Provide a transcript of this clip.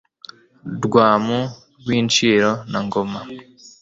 Rwamu rw' Inshiro na Ngoma